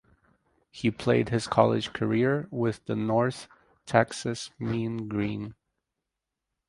He played his college career with the North Texas Mean Green.